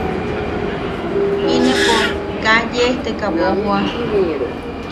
–Inepo kaa yesteka boʼojoa.